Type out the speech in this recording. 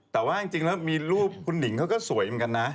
แต่ว่าจริงแล้วมีรูปคุณหนิงเขาก็สวยเหมือนกันนะ